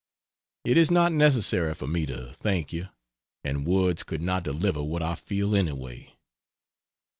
It is not necessary for me to thank you and words could not deliver what I feel, anyway.